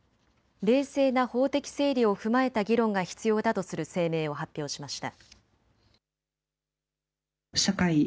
冷静な法的整理を踏まえた議論が必要だとする声明を発表しました。